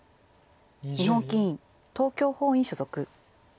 日本棋院東京本院所属。